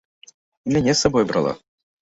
І мяне з сабою брала.